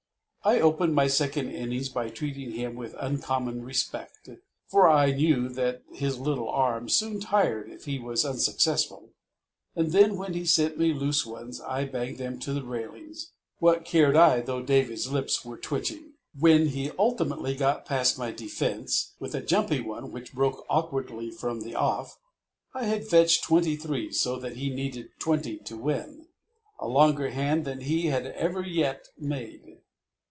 I opened my second innings by treating him with uncommon respect, for I knew that his little arm soon tired if he was unsuccessful, and then when he sent me loose ones I banged him to the railings. What cared I though David's lips were twitching. When he ultimately got past my defence, with a jumpy one which broke awkwardly from the off, I had fetched twenty three so that he needed twenty to win, a longer hand than he had ever yet made.